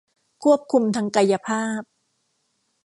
ควบคุมทางกายภาพ